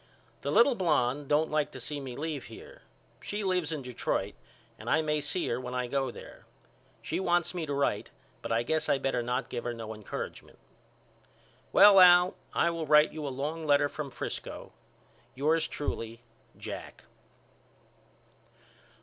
The little blonde don't like to see me leave here. She lives in Detroit and I may see her when I go there. She wants me to write but I guess I better not give her no encouragement. Well Al I will write you a long letter from Frisco. Yours truly, JACK.